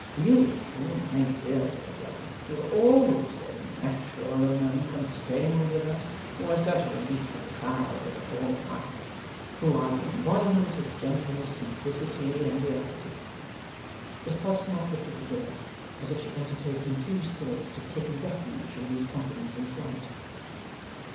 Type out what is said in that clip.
'You, my dear Georgiana! Who are always so natural and unconstrained with us! Who are such a relief from the crowd that are all alike! Who are the embodiment of gentleness, simplicity, and reality!' Miss Podsnap looked at the door, as if she entertained confused thoughts of taking refuge from these compliments in flight.